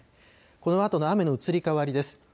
このあとの雨の移り変わりです。